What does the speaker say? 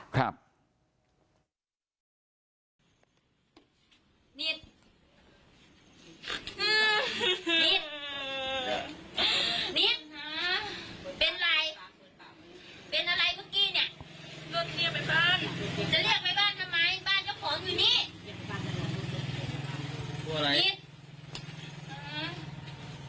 เป็นใคร